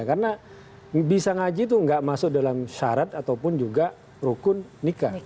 karena bisa ngaji itu nggak masuk dalam syarat ataupun juga rukun nikah